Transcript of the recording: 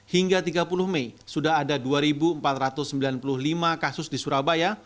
hingga tiga puluh mei sudah ada dua empat ratus sembilan puluh lima kasus di surabaya